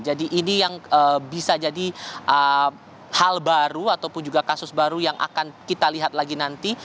jadi ini yang bisa jadi hal baru ataupun juga kasus baru yang akan kita lihat lagi nanti